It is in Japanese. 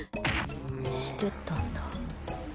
してたんだ。